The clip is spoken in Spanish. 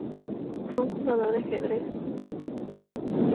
Fue un jugador de ajedrez, editor y escritor español.